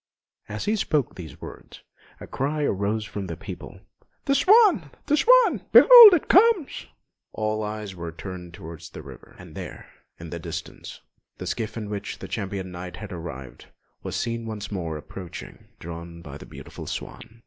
As he spoke these words, a cry arose from the people: "The swan! The swan! Behold it comes!" All eyes were turned towards the river; and there, in the distance, the skiff in which the Champion Knight had arrived was seen once more approaching, drawn by the beautiful swan.